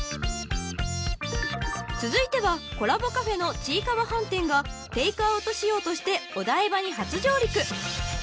［続いてはコラボカフェのちいかわ飯店がテークアウト仕様としてお台場に初上陸］